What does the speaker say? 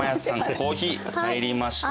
コーヒー入りました。